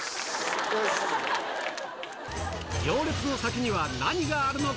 行列の先には何があるのか？